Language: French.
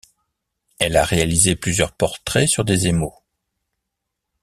Elle a réalisé plusieurs portraits sur des émaux.